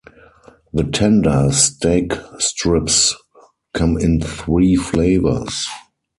The tender steak strips come in three flavors.